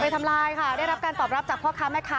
ทำลายค่ะได้รับการตอบรับจากพ่อค้าแม่ค้า